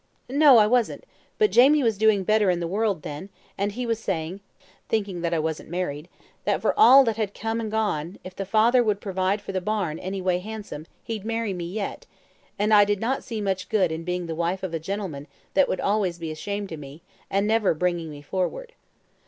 "No, I wasn't. But Jamie was doing better in the world then, and he was saying, thinking that I wasn't married, that for all that had come and gone, if the father would provide for the bairn any way handsome, he'd marry me yet, and I did not see much good in being the wife of a gentleman that would always be ashamed of me, and never bring me forward.